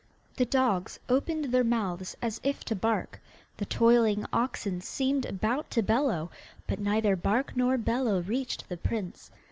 The dogs opened their mouths as if to bark, the toiling oxen seemed about to bellow, but neither bark nor bellow reached the prince.